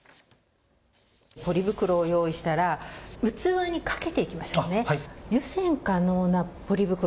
ポリ袋を用意したら器にかけていきましょう。